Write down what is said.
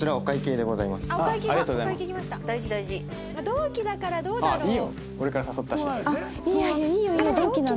同期だからどうだろう？